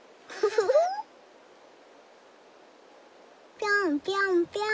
ぴょんぴょんぴょん。